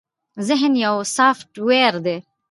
ذهن يو سافټ وئېر دے